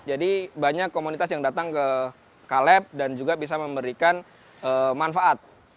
jadi banyak komunitas yang datang ke kaleb dan juga bisa memberikan manfaat